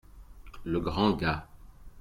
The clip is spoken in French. Le grand gars.